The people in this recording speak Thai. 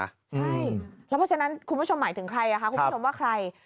ใช่แล้วเพราะฉะนั้นคุณผู้ชมหมายถึงใครคุณผู้ชมว่าใคร